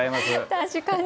確かに。